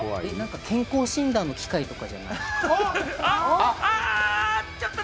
健康診断の機械とかじゃない？